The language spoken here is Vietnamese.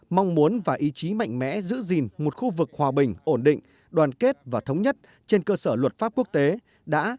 mong muốn và ý chí mạnh mẽ giữ gìn một khu vực hòa bình ổn định đoàn kết và thống nhất trên cơ sở luật pháp quốc tế đã